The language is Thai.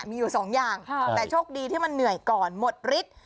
มีอยู่สองอย่างแต่โชคดีที่มันเหนื่อยก่อนหมดฤทธิ์